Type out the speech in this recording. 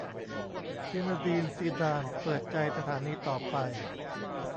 ซีเนอดีน ซีดาน เปิดใจ สถานีต่อไป